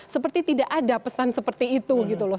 seperti tidak ada pesan seperti itu gitu loh